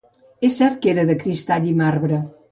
És cert que era de cristall i marbre.